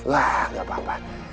lah gak apa apa